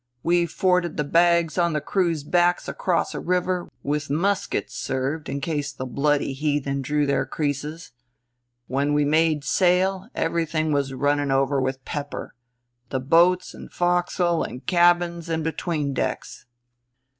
We forded the bags on the crew's backs across a river with muskets served in case the bloody heathen drew their creeses. When we made sail everything was running over with pepper the boats and forecastle and cabins and between decks."